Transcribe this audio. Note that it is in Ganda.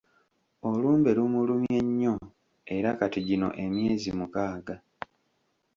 Olumbe lumulumye nnyo era kati gino emyezi mukaaga.